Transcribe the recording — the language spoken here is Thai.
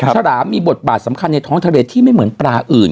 ฉลามมีบทบาทสำคัญในท้องทะเลที่ไม่เหมือนปลาอื่น